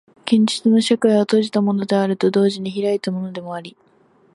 現実の社会は閉じたものであると同時に開いたものであり、